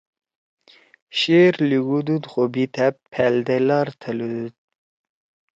شعر لیِگُودُود خو بھی تھأ پھألدے لار تھلُودُود